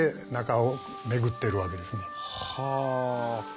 はあ。